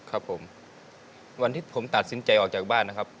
ครับผมวันที่ผมตัดสินใจออกจากบ้านนะครับ